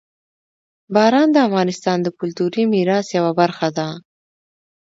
باران د افغانستان د کلتوري میراث یوه برخه ده.